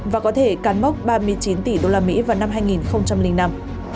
và có thể cán mốc ba mươi chín tỷ usd vào năm hai nghìn năm